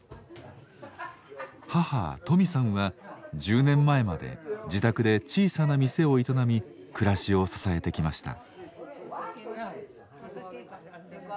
母トミさんは１０年前まで自宅で小さな店を営み暮らしを支えてきました。